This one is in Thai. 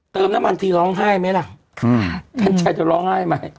เติมน้ำมันทีร้องไห้ไหมล่ะท่านใจจะร้องไห้ไหม